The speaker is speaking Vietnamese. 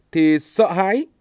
thì sợ hãi